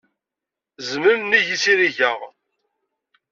Zmel nnig yizirig-a.